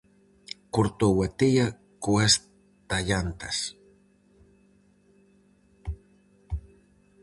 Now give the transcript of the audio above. Cortou a tea coas tallantas.